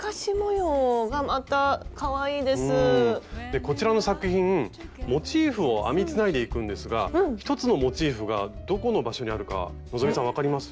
でこちらの作品モチーフを編みつないでいくんですが１つのモチーフがどこの場所にあるか希さん分かります？